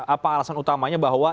apa alasan utamanya bahwa